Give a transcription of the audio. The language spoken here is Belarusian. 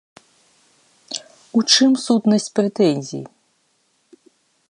У чым сутнасць прэтэнзій?